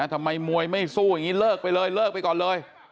ทำไมมวยไม่สู้อย่างนี้เลิกไปเลยเลิกไปก่อนเลย